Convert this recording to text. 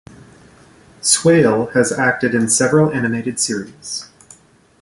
Swaile has acted in several animated series.